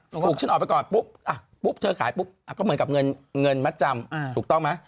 ถูกฉันออกไปก่อนปุ๊บปุ๊บเธอขายปุ๊บก็เหมือนกับเงินมัดจำถูกต้องไหม